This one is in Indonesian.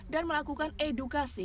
dan melakukan edukasi